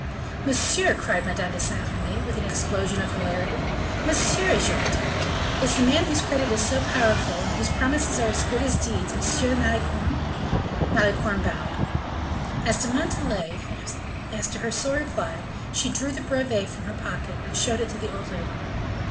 "Monsieur!" cried Madame de Saint Remy, with an explosion of hilarity, "monsieur is your protector! Is the man whose credit is so powerful, and whose promises are as good as deeds, Monsieur Malicorne!" Malicorne bowed. As to Montalais, as her sole reply, she drew the brevet from her pocket, and showed it to the old lady.